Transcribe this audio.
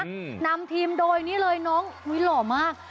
นำทีมโดยนี่เลยน้องโหล่มาก